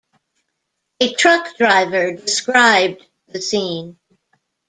A truck driver described the scene.